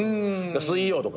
『水曜』とか。